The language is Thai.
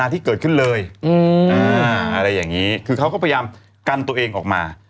ที่เกิดขึ้นเลยอะไรอย่างนี้คือเขาก็พยายามกันตัวเองออกมา